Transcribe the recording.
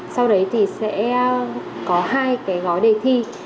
sau đấy thì sẽ có hai cái gói đề thi